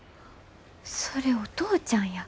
それお父ちゃんや。